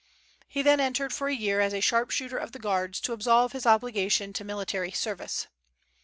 He then entered for a year as a sharpshooter of the Guards, to absolve his obligation to military service.